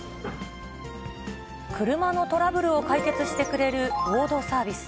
車のトラブルを解決してくれるロードサービス。